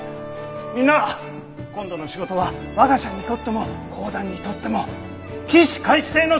みんな今度の仕事は我が社にとっても公団にとっても起死回生の挑戦だ。